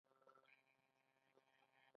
کاناډا د ودانیو شرکتونه لري.